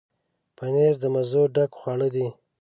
پنېر د مزو ډک خواړه دي.